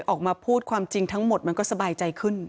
ออกมาพูดความจริงทั้งหมดมันก็สบายใจขึ้น